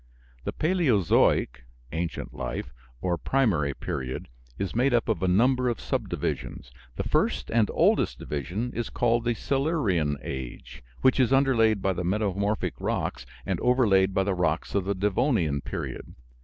The Paleozoic (ancient life) or Primary period is made up of a number of subdivisions. The first and oldest division is called the "Silurian" age, which is underlaid by the metamorphic rocks and overlaid by the rocks of the Devonian period.